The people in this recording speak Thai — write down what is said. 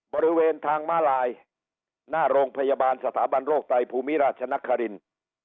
บริเวณทางม้าลายหน้าโรงพยาบาลสถาบันโรคไตภูมิราชนครินทร์